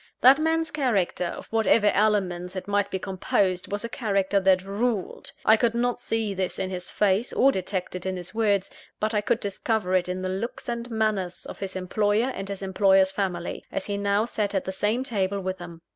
That man's character, of whatever elements it might be composed, was a character that ruled. I could not see this in his face, or detect it in his words; but I could discover it in the looks and manners of his employer and his employer's family, as he now sat at the same table with them.